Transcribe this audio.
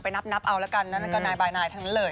นับเอาละกันนั่นก็นายบายนายทั้งนั้นเลย